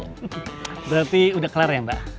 berarti udah kelar ya mbak